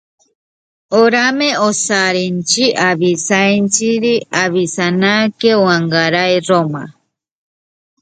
En ese año se pasó al Hungaria FbC Roma.